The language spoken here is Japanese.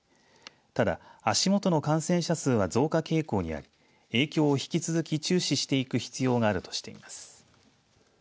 ただ、足元の感染者数は増加傾向にあり影響を引き続き注視していく必要があるとしています。